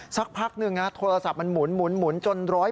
สักพักหนึ่งโทรศัพท์มันหมุนจน๑๐๐